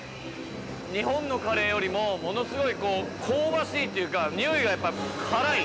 日本のカレーよりもものすごい香ばしいっていうか匂いがやっぱ辛い。